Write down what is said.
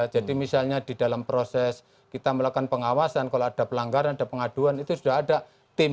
jadi misalnya di dalam proses kita melakukan pengawasan kalau ada pelanggaran ada pengaduan itu sudah ada tim